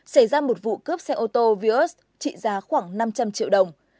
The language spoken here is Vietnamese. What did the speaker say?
xe ô tô vios trị giá khoảng năm trăm linh triệu đồng